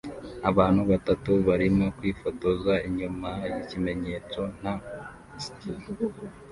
Abantu batatu barimo kwifotoza inyuma yikimenyetso "nta ski"